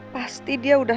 pasti dia sudah